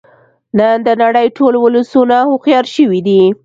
نن د نړۍ ټول ولسونه هوښیار شوی دی